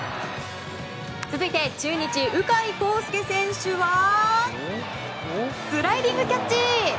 続いて中日、鵜飼航丞選手はスライディングキャッチ！